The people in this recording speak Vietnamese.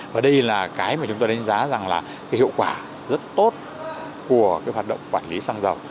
và đây là cái mà chúng ta đánh giá rằng là hiệu quả rất tốt của hoạt động quản lý xăng dầu